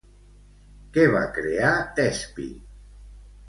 Què va crear Tespi?